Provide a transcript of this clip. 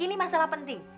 ini masalah penting